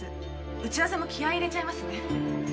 打ち合わせも気合入れちゃいますね。